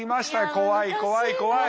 怖い怖い怖い。